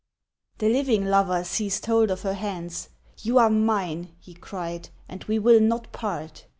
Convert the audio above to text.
The living lover seized hold of her hands "You are mine," he cried, "and we will not part!"